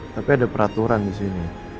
tapi ada peraturan disini